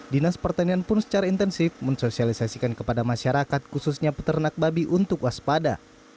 dinas pertanian pun secara intensif mensosialisasikan kepada masyarakat khususnya peternak babi untuk waspada